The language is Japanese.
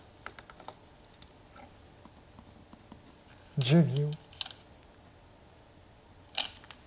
１０秒。